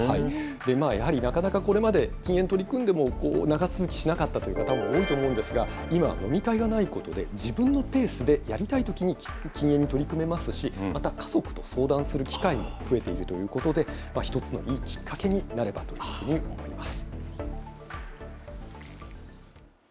やはりなかなかこれまで禁煙、取り組んでも長続きしなかったという方も多いと思うんですが、今、飲み会がないことで、自分のペースでやりたいときに禁煙に取り組めますし、また、家族と相談する機会も増えているということで、一つのいいきっかけになればというふうに思います。